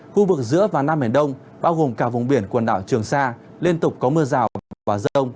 khu vực giữa và nam biển đông bao gồm cả vùng biển quần đảo trường sa liên tục có mưa rào và rông